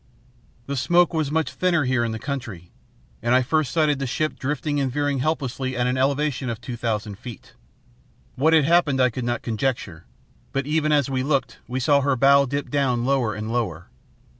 The smoke was much thinner here in the country, and I first sighted the ship drifting and veering helplessly at an elevation of two thousand feet. What had happened I could not conjecture, but even as we looked we saw her bow dip down lower and lower.